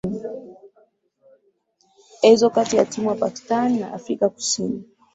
ezo kati ya timu ya pakistani na afrika kusini